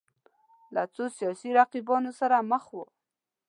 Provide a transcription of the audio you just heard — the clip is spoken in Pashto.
له څو سیاسي رقیبانو سره مخ وو